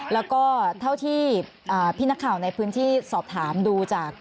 แล้วก็เท่าที่พี่นักข่าวในพื้นที่สอบถามดูจาก